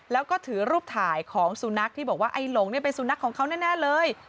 แล้วก็ถือรูปถ่ายของสุนัขที่บอกว่าไอ้หลงเนี่ยเป็นสุนัขของเขาแน่เลย